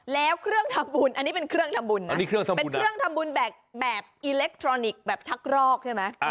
แล้วเครื่องทำบุญอันนี้เป็นเครื่องทำบุญเป็นเครื่องทำบุญแบกแบบอิเล็กทรอนิกส์แบบชักรอกใช่ไหม